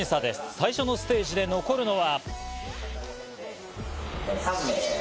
最初のステージで残るのは。